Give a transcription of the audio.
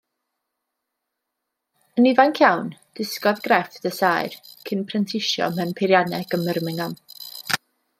Yn ifanc iawn dysgodd grefft y saer, cyn prentisio mewn peirianneg ym Mirmingham.